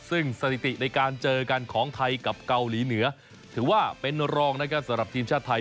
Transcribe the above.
ซึ่งสถิติในการเจอกันของไทยกับเกาหลีเหนือถือว่าเป็นรองนะครับสำหรับทีมชาติไทย